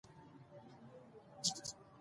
د افغانستان په منظره کې هلمند سیند ښکاره ده.